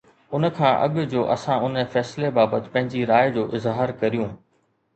ان کان اڳ جو اسان ان فيصلي بابت پنهنجي راءِ جو اظهار ڪريون